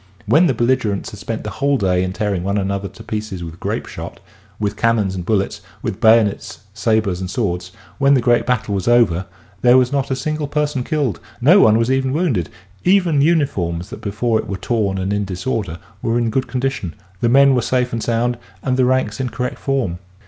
When the belligerents had spent the whole day in tearing one another to pieces with grape shot, with cannons and bullets, with bayonets, sabers and swords — when the great battle was over, there was not a single person killed, no one was even wounded; even uniforms that before it were torn and in disorder were in good condition, the men were safe and sound, and the ranks in correct form.